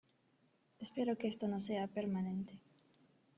Espero que esto no sea permanente.